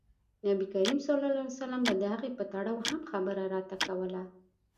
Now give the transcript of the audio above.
نبي کریم ص به د هغې په تړاو هم خبره راته کوله.